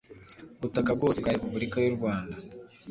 butaka bwose bwa Repubulika y u Rwanda